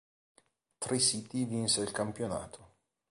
Tri-City vinse il campionato.